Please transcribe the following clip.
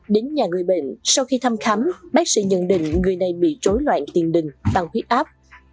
đến nhà người bệnh sau khi thăm khám bác sĩ nhận định người này bị trối loạn tiền đình bằng huyết áp